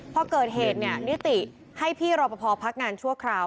พอเกิดเหตุนิติให้พี่รอปภพักงานชั่วคราว